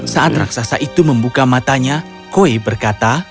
saat raksasa itu membuka matanya koi berkata